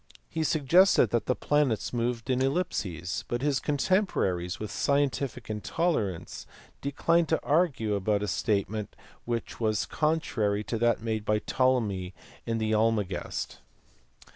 He suggested that the planets moved in ellipses, but his contemporaries with scientific intolerance declined to argue about a statement which was contrary to that made by Ptolemy in the Almagest.